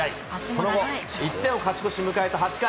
その後、１点を勝ち越し迎えた８回。